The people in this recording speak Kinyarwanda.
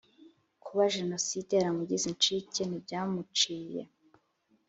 Kuba Jenoside yaramugize inshike ntibyamuciye